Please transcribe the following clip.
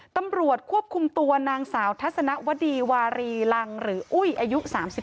ตำรวจควบคุมตัวนางสาวทัศนวดีวารีรังหรืออุ้ยอายุ๓๒